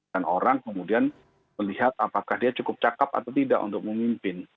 dan orang kemudian melihat apakah dia cukup cakep atau tidak untuk memimpin